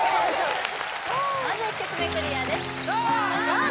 まず１曲目クリアですさあ